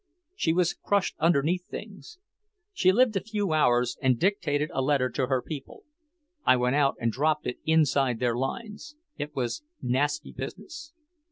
She was crushed underneath things. She lived a few hours and dictated a letter to her people. I went out and dropped it inside their lines. It was nasty business.